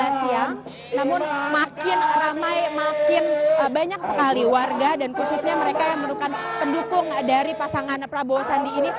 namun makin ramai makin banyak sekali warga dan khususnya mereka yang merupakan pendukung dari pasangan prabowo sandi ini